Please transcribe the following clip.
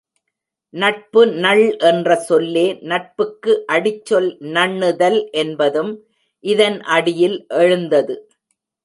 நட்பு நள் என்ற சொல்லே நட்புக்கு அடிச்சொல் நண்ணுதல் என்பதும் இதன் அடியில் எழுந்தது.